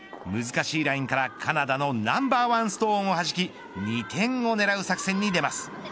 難しいラインから、カナダのナンバーワンストーンをはじき２点を狙う作戦に出ます。